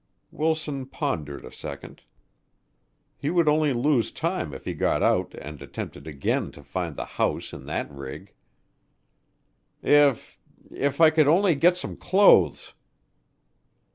Wilson pondered a second. He would only lose time if he got out and attempted again to find the house in that rig. "If if I could only get some clothes."